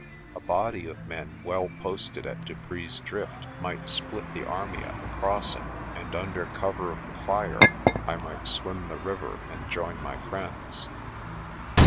A body of men well posted at Dupree's Drift might split the army at the crossing and under cover of the fire I might swim the river and join my friends.